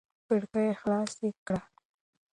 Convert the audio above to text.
کړکۍ خلاصه کړه.